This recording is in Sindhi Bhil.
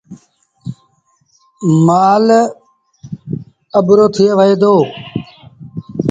مآل اَڀرو ٿئي وهي دو۔